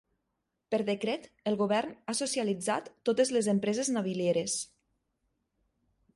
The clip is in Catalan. Per decret, el govern ha socialitzat totes les empreses navilieres.